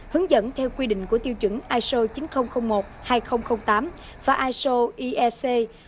hướng dẫn theo quy định của tiêu chuẩn iso chín nghìn một hai nghìn tám và iso iec một mươi bảy nghìn hai mươi năm hai nghìn năm